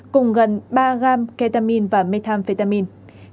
cùng gần ba gam ketamine và methamphetamine